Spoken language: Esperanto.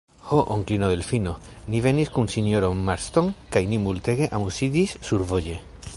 Ho, onklino Delfino, ni venis kun sinjoro Marston kaj ni multege amuziĝis survoje!